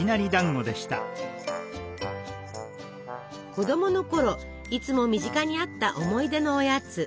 子供のころいつも身近にあった思い出のおやつ。